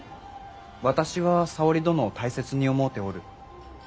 私は沙織殿を大切に思うておる。